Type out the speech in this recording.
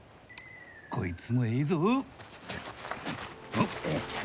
こいつもえいぞ！